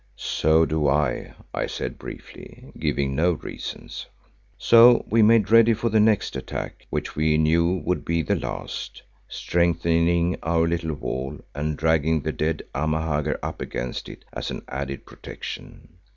"So do I," I said briefly, giving no reasons. So we made ready for the next attack which we knew would be the last, strengthening our little wall and dragging the dead Amahagger up against it as an added protection.